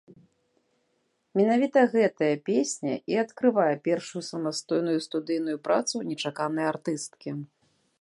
Менавіта гэтая песня і адкрывае першую самастойную студыйную працу нечаканай артысткі.